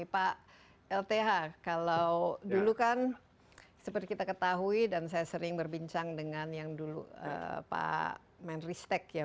pak lth kalau dulu kan seperti kita ketahui dan saya sering berbincang dengan yang dulu pak menristek ya